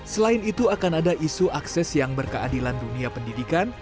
selain itu akan ada isu akses yang berkeadilan dunia pendidikan